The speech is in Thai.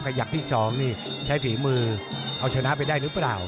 ยักที่๒นี่ใช้ฝีมือเอาชนะไปได้หรือเปล่า